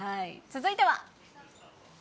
続いては。